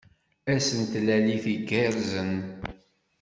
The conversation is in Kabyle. Ass n tlalit igerrzen!